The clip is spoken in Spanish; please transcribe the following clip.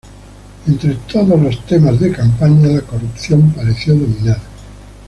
Entre todos los temas de campaña, la corrupción pareció dominar.